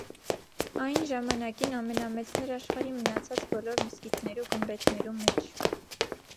Այն ժամանակին ամենամեծն էր աշխարհի մնացած բոլոր մզկիթներու գմբէթներու մէջ։